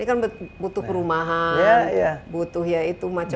ini kan butuh perumahan butuh macam macam